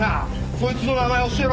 そいつの名前教えろ！